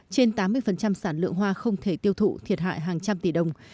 trên tám mươi sản lượng hoa không thể tiêu thụ thiệt hại hàng trăm tỷ đồng